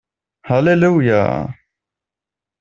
Halleluja!